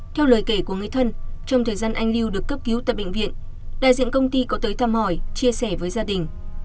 theo lời kể của người thân trong thời gian anh lưu được cấp cứu tại bệnh viện đại diện công ty có tới thăm hỏi chia sẻ với gia đình